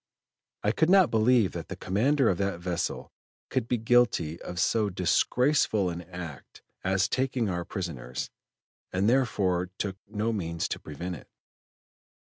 "I could not believe that the commander of that vessel could be guilty of so disgraceful an act as taking our prisoners, and therefore took no means to prevent it."